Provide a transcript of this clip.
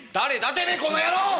てめえこの野郎！